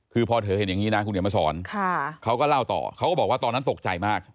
คือพอเธอเห็นอย่างนี้นะคุณเดี๋ยวมาสอนเขาก็เล่าต่อเขาก็บอกว่าตอนนั้นตกใจมาก